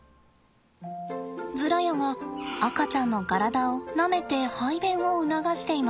ズラヤが赤ちゃんの体をなめて排便を促しています。